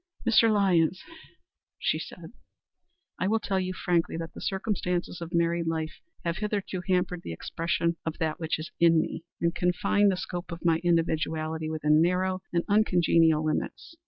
"Mr. Lyons," she said, "I will tell you frankly that the circumstances of married life have hitherto hampered the expression of that which is in me, and confined the scope of my individuality within narrow and uncongenial limits.